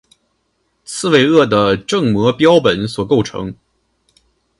刺猬鳄的正模标本所构成。